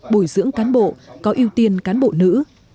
bồi dưỡng cán bộ có ưu tiên cán bộ nữ